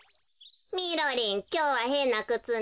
みろりんきょうはへんなくつね。